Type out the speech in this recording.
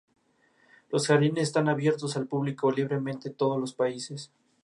Los jardines están abiertos al público libremente todos los días.